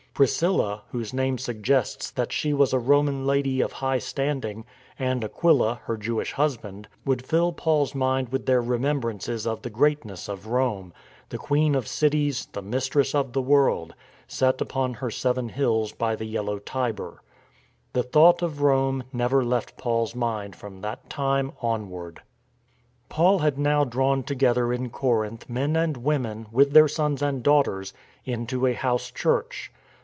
Priscilla, whose name suggests that she was a Roman lady of high standing, 235 236 STORM AND STRESS and Aquila, her Jewish husband, would fill Paul's mind with their remembrances of the greatness of Rome, the queen of cities, the mistress of the world, set upon her seven hills by the yellow Tiber. The thought of Rome never left Paul's mind from that time on ward. Paul had now drawn together in Corinth men and women, with their sons and daughters, into a " house church."